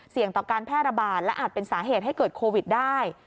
ต่อการแพร่ระบาดและอาจเป็นสาเหตุให้เกิดโควิดได้